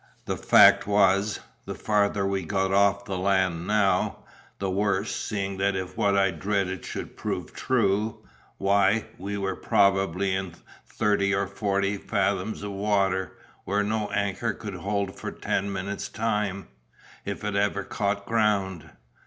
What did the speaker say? "The fact was, the farther we got off the land now, the worse, seeing that if what I dreaded should prove true, why, we were probably in thirty or forty fathoms of water, where no anchor could hold for ten minutes' time—if it ever caught ground.